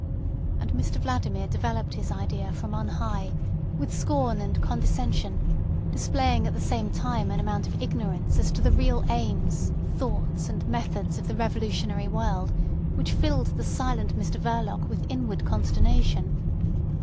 And Mr Vladimir developed his idea from on high, with scorn and condescension, displaying at the same time an amount of ignorance as to the real aims, thoughts, and methods of the revolutionary world which filled the silent Mr Verloc with inward consternation.